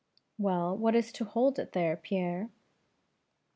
"Well, what is to hold it there, Pierre?"